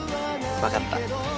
わかった。